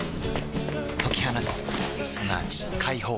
解き放つすなわち解放